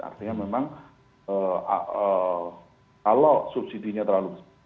artinya memang kalau subsidi nya terlalu besar